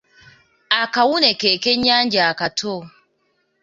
Akawune ke kennyanja akato.